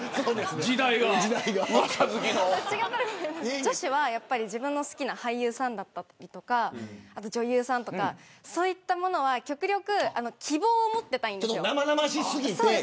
女子は自分の好きな俳優さんだったり女優さんとかそういうものは極力希望を持っていたいんですよ。